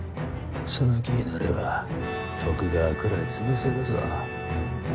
その気になれば徳川くらい潰せるぞ。